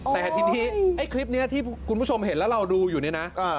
แต่ทีนี้ไอ้คลิปนี้ที่คุณผู้ชมเห็นแล้วเราดูอยู่เนี่ยนะ